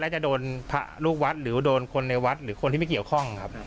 จะโดนพระลูกวัดหรือโดนคนในวัดหรือคนที่ไม่เกี่ยวข้องครับ